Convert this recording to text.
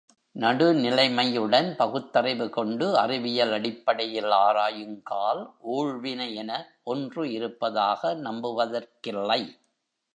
நடுநிலைமையுடன் பகுத்தறிவு கொண்டு அறிவியல் அடிப்படையில் ஆராயுங்கால் ஊழ்வினை என ஒன்று இருப்பதாக நம்புவதற்கில்லை.